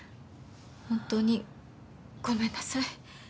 ホントにごめんなさい。